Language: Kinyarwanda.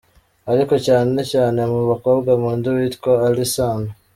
Ariko cyane cyane mu bakobwa nkunda uwitwa Alyn Sano.